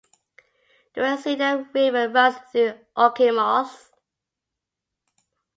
The Red Cedar River runs through Okemos.